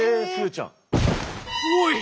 おい！